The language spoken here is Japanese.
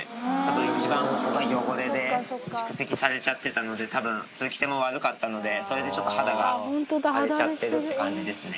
一番ここが汚れで蓄積されちゃってたので、たぶん、通気性も悪かったので、それでちょっと肌が荒れちゃってるって感じですね。